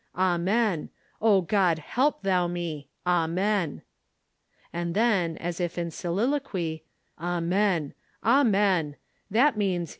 Amen. O God, help thou me ! Amen." ... (and then, as if in solilo quy) "Amen, Amen — that means.